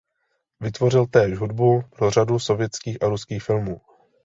Vytvořil též hudbu pro řadu sovětských a ruských filmů.